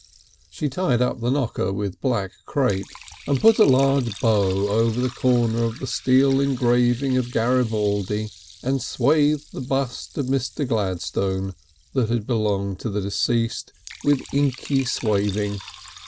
She tied up the knocker with black crape, and put a large bow over the corner of the steel engraving of Garibaldi, and swathed the bust of Mr. Gladstone, that had belonged to the deceased, with inky swathings.